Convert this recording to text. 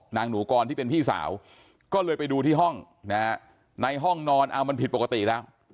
นางหนูกรที่เป็นพี่สาวก็เลยไปดูที่ห้องนะฮะในห้องนอนเอามันผิดปกติแล้ว